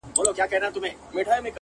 o خداى دي كړي خير گراني څه سوي نه وي ـ